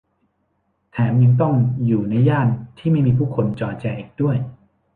แถมยังต้องอยู่ในย่านที่ไม่มีผู้คนจอแจอีกด้วย